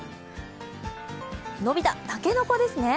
伸びた、たけのこですね？